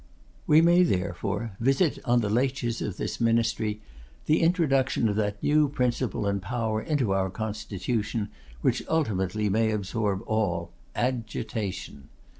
We may, therefore, visit on the laches of this ministry the introduction of that new principle and power into our constitution which ultimately may absorb all, AGITATION.